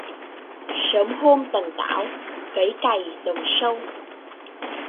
Sớm hôm tần tảo cấy cày đồng sâu